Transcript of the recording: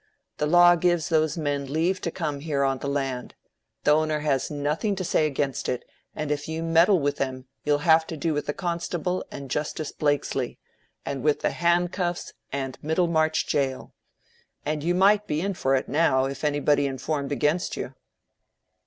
The law gives those men leave to come here on the land. The owner has nothing to say against it, and if you meddle with them you'll have to do with the constable and Justice Blakesley, and with the handcuffs and Middlemarch jail. And you might be in for it now, if anybody informed against you."